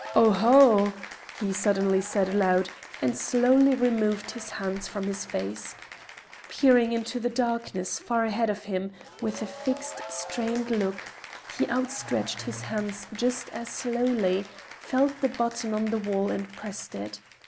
"Oho!" he suddenly said aloud, and slowly removed his hands from his face. Peering into the darkness, far ahead of him, with a fixed, strained look, he outstretched his hand just as slowly, felt the button on the wall and pressed it.